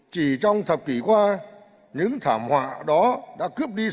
chỉ trong thập kỷ qua những thảm họa đó đã cướp đi sinh mạng